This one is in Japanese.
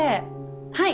はい。